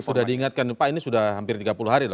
sudah diingatkan pak ini sudah hampir tiga puluh hari